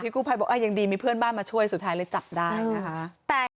กู้ภัยบอกยังดีมีเพื่อนบ้านมาช่วยสุดท้ายเลยจับได้นะคะ